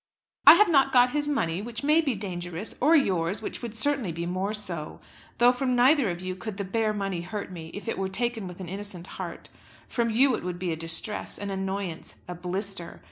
"I have not got his money which may be dangerous, or yours which would certainly be more so. Though from neither of you could the bare money hurt me, if it were taken with an innocent heart. From you it would be a distress, an annoyance, a blister.